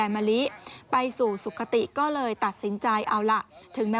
ไม่แหละ